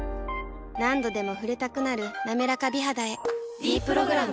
何度でも触れたくなる「なめらか美肌」へ「ｄプログラム」